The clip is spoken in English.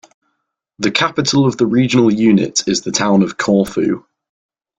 The capital of the regional unit is the town of Corfu.